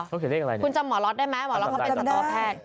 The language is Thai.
เขาเขียนเลขอะไรนะคุณจำหมอล็อตได้ไหมหมอล็อตเขาเป็นสัตวแพทย์